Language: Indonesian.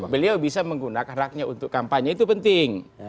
beliau bisa menggunakan haknya untuk kampanye itu penting